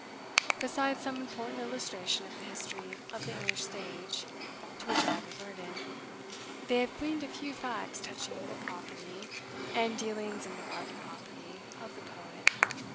Beside some important illustration of the history of the English stage, to which I have adverted, they have gleaned a few facts touching the property, and dealings in regard to property, of the poet.